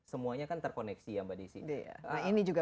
semuanya kan terkoneksi ya mbak di sini